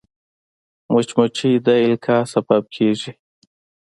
مچمچۍ د القاح سبب کېږي